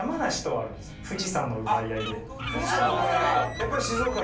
富士山の奪い合い？